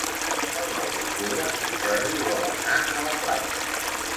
El nou d'octubre en Jordi vol anar a la platja.